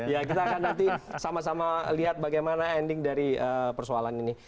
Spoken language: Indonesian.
ya kita akan nanti sama sama lihat bagaimana ending dari persoalan ini